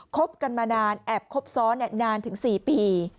คบกันมานานแอบครบซ้อนนานถึง๔ปี